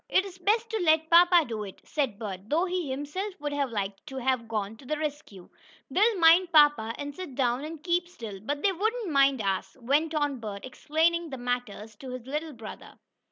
"It's best to let papa do it," said Bert, though he himself would have liked to have gone to the rescue. "They'll mind papa, and sit down and keep still, but they wouldn't mind us," went on Bert, explaining matters to his little brother.